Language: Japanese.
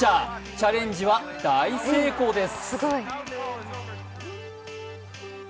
チャレンジは大成功です。